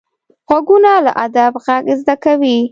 غوږونه له ادب غږ زده کوي